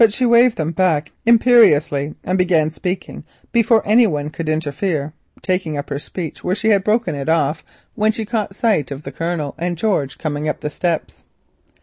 She waved them back imperiously, and began speaking before any one could interfere, taking up her speech where she had broken it off when she caught sight of the Colonel and George coming up the steps.